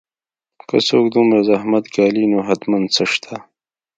که څوک دومره زحمت ګالي نو حتماً څه شته